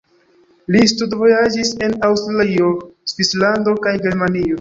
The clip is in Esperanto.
Li studvojaĝis en Aŭstrio, Svislando kaj Germanio.